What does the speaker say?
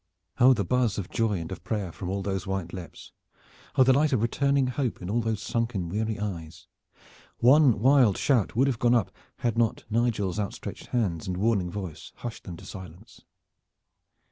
Oh, the buzz of joy and of prayer from all those white lips! Oh, the light of returning hope in all those sunken weary eyes! One wild shout would have gone up had not Nigel's outstretched hands and warning voice hushed them to silence.